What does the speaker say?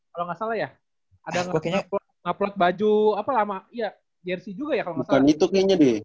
kalau enggak salah ya ada nge upload baju apa lama iya jersey juga ya kalau enggak salah